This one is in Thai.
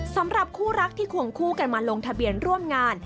สำหรับคู่รักที่ควงคู่กันมาลงทะเบียนร่วมงาน